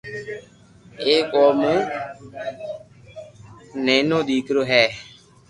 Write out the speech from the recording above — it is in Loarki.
ايڪ او مو نينيو ديڪرو ھي